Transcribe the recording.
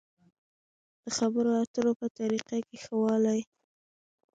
د خبرو اترو په طريقه کې ښه والی.